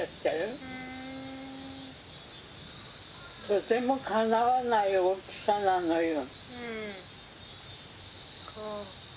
「とてもかなわない大きさなのよ」。